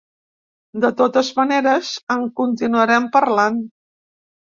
De totes maneres, en continuarem parlant.